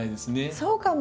そうかも。